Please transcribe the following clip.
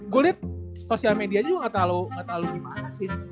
gua liat sosial media juga gak terlalu gimana sih